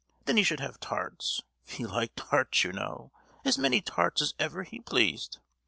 Then he should have tarts (he liked tarts, you know), as many tarts as ever he pleased.